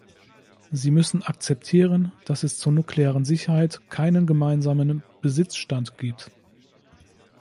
Sie müssen akzeptieren, dass es zur nuklearen Sicherheit keinen gemeinsamen Besitzstand gibt.